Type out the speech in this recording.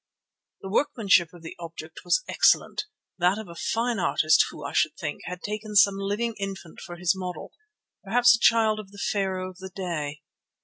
The workmanship of the object was excellent, that of a fine artist who, I should think, had taken some living infant for his model, perhaps a child of the Pharaoh of the day.